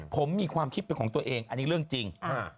ผมมีความคิดเป็นของตัวเองอันนี้เรื่องจริง